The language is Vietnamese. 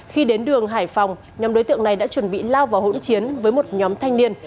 khi đến đường hải phòng nhóm đối tượng này đã chuẩn bị lao vào hỗn chiến với một nhóm thanh niên